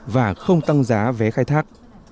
và không tăng giá vé khai thác